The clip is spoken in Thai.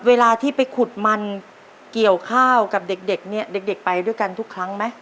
เวลาที่ไปขุดมันเกี่ยวข้าวกับเด็กเนี่ยเด็กไปด้วยกันทุกครั้งไหม